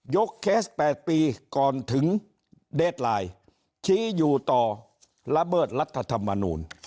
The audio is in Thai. เคส๘ปีก่อนถึงเดสไลน์ชี้อยู่ต่อระเบิดรัฐธรรมนูล